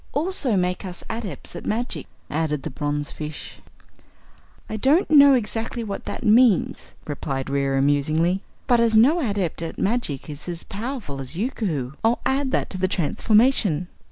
"Also make us Adepts at Magic," added the bronzefish. "I don't know exactly what that means," replied Reera musingly, "but as no Adept at Magic is as powerful as Yookoohoo, I'll add that to the transformation."